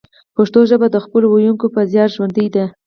پښتو ژبه د خپلو ویونکو په زیار ژوندۍ ده